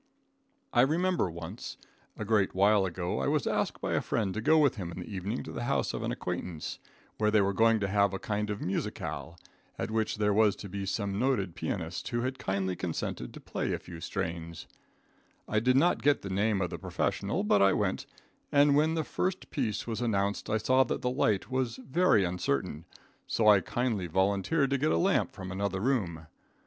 ] I remember, once, a great while ago, I was asked by a friend to go with him in the evening to the house of an acquaintance, where they were going to have a kind of musicale, at which there was to be some noted pianist, who had kindly consented to play a few strains, I did not get the name of the professional, but I went, and when the first piece was announced I saw that the light was very uncertain, so I kindly volunteered to get a lamp from another room.